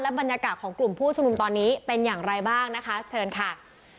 บรรยากาศของกลุ่มผู้ชุมนุมตอนนี้เป็นอย่างไรบ้างนะคะเชิญค่ะ